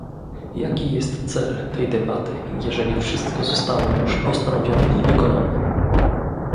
Jaki jest cel tej debaty, jeżeli wszystko zostało już postanowione i wykonane?